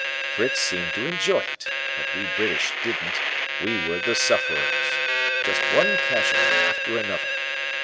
Fritz seemed to enjoy it, but we British didn't, we were the sufferers. Just one casualty after another.